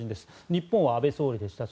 日本は安倍総理でした。